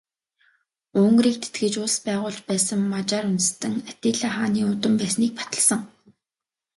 Унгарыг нэгтгэж улс байгуулж байсан Мажар үндэстэн Атилла хааны удам байсныг баталсан.